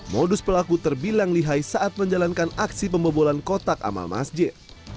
modus pelaku terbilang lihai saat menjalankan aksi pembobolan kotak amal masjid